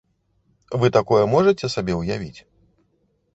Вы такое можаце сабе ўявіць?